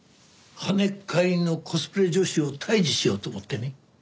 跳ねっ返りのコスプレ女史を退治しようと思ってね。